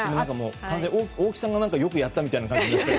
完全に大木さんがよくやったみたいな感じに。